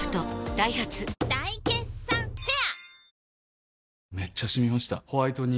ダイハツ大決算フェア